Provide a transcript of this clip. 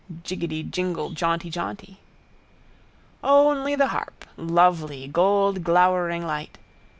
Jiggedy jingle jaunty jaunty. Only the harp. Lovely. Gold glowering light.